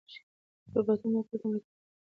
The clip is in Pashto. روباټونه کور ته مرسته راوړي.